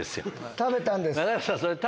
食べたんです。